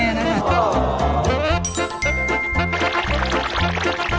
เป็นของขวัญวันเกิดเหรอคะ